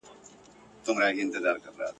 د دوی تاریخ لا هم ورک پاته دئ.